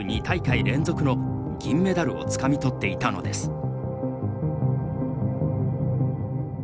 ２大会連続の銀メダルをつかみ取っていたのです。